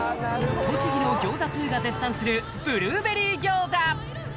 栃木の餃子通が絶賛するブルーベリー餃子